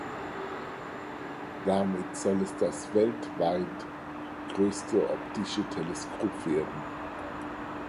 Damit soll es das weltweit größte optische Teleskop werden.